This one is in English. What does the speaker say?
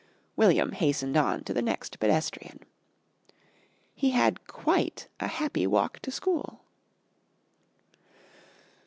William hastened on to the next pedestrian. He had quite a happy walk to school.